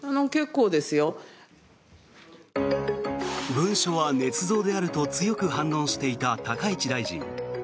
文書はねつ造であると強く反論していた高市大臣。